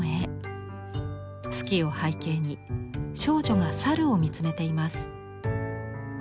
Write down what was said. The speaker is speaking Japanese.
月を背景に少女が猿を見つめています。